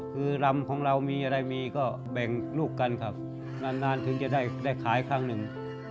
คือรำของเรามีอะไรมีก็แบ่งลูกกันครับนานถึงจะได้ขายครั้งหนึ่ง